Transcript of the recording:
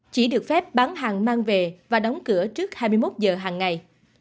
chỉ được phép bán hàng mang về và đóng cửa trước hai mươi một giờ hàng ngày